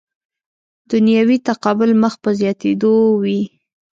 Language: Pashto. دنیوي تقابل مخ په زیاتېدو وي.